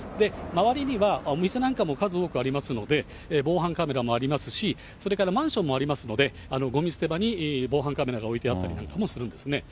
周りにはお店なんかも数多くありますので、防犯カメラもありますし、それからマンションもありますので、ごみ捨て場に防犯カメラが置いてあったりなんかもするんですね。